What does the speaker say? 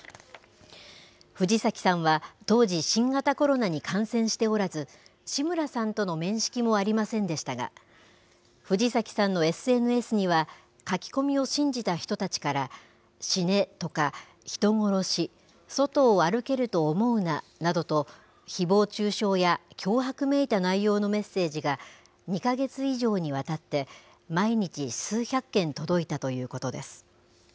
藤崎さんは、当時、新型コロナに感染しておらず、志村さんとの面識もありませんでしたが、藤崎さんのＳＮＳには、書き込みを信じた人たちから、死ねとか、人殺し、外を歩けると思うななどと、ひぼう中傷や脅迫めいた内容のメッセージが２か月以上にわたって、毎日数百件届いたということです。